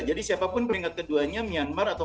jadi siapapun peningkat keduanya myanmar atau